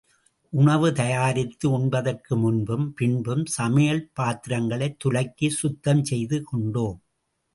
உணவு தயாரித்து உண்பதற்கு முன்பும் பின்பும் சமையல் பாத்திரங்களைத் துலக்கி சுத்தம் செய்து கொண்டோம்.